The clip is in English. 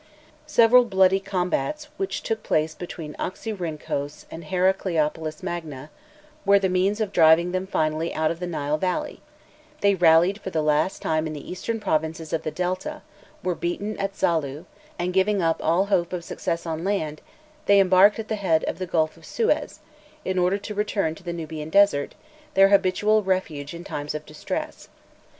Several bloody combats, which took place between Oxyrrhynchos and Heracleopolis Magna, were the means of driving them finally out of the Nile Valley; they rallied for the last time in the eastern provinces of the Delta, were beaten at Zalû, and giving up all hope of success on land, they embarked at the head of the Gulf of Suez, in order to return to the Nubian Desert, their habitual refuge in times of distress.